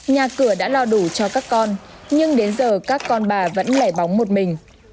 nhà cửa đã lo đủ cho các con nhưng đến giờ các con bà vẫn lẻ bóng một mình